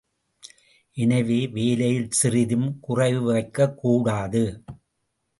எனவே, வேலையில் சிறிதும் குறை வைக்கக்கூடாது.